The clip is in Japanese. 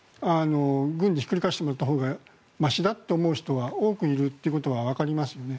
軍にひっくり返してもらったほうがましだと思う人が多くいるということはわかりますよね。